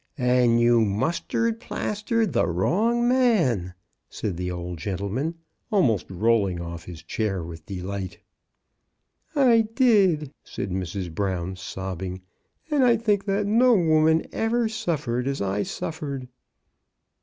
"And you mustard plastered the wrong man !" said the old gentleman, almost rolling off his chair with delight. I did," said Mrs. Brown, sobbing ;" and I think that no woman ever suffered as I suf fered."